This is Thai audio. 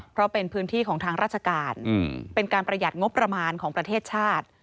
เพราะเป็นพื้นที่ของทางราชการเป็นการประหยัดงบประมาณของประเทศชาติ